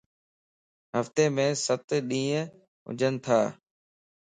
ھفتي مَ ستَ ڏينھن ھونجنتا